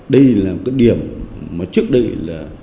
đây là một cái điểm mà trước đây